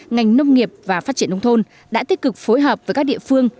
ngành nông nghiệp và phát triển nông thôn đã tích cực phối hợp với các địa phương